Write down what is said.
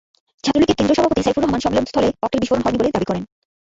ছাত্রলীগের কেন্দ্রীয় সভাপতি সাইফুর রহমান সম্মেলনস্থলে ককটেল বিস্ফোরণ হয়নি বলে দাবি করেন।